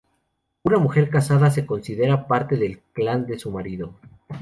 Una mujer casada se considera parte del clan de su marido.